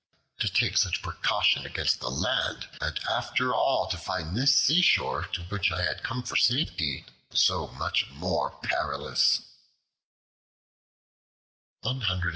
to take such precaution against the land, and after all to find this seashore, to which I had come for safety, so much more perilous."